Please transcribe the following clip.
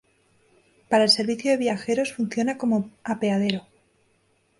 Para el servicio de viajeros funciona como apeadero.